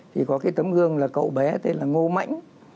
thì có cái tấm gương là cậu bé tên là ngô mãnh